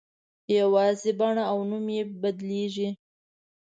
یوازې بڼه او نوم یې بدلېږي.